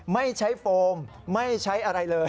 ไม่ใช้โฟมไม่ใช้อะไรเลย